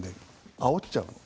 あおっちゃう？